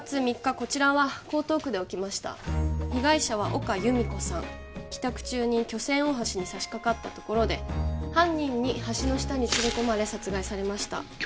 こちらは江東区で起きました被害者は岡由美子さん帰宅中に巨千大橋にさしかかったところで犯人に橋の下に連れ込まれ殺害されました